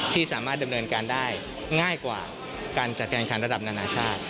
ที่สามารถดำเนินการได้ง่ายกว่าการจัดการคันระดับนานาชาติ